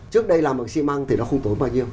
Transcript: trước đây làm bằng xi măng thì nó không tốn bao nhiêu